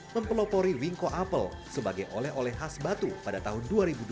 mempelopori wingko apel sebagai oleh oleh khas batu pada tahun dua ribu dua belas